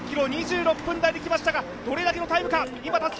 １０ｋｍを２６分台で来ましたが、どれだけのタイムか。